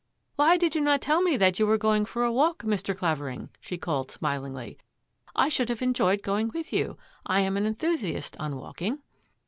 " Why did you not tell me that you were going for a walk, Mr. Clavering? " she called smilingly. " I should have enjoyed going with you. I am an enthusiast on walking."